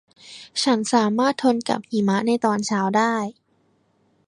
ฉันสามารถทนกับหิมะในตอนเช้าได้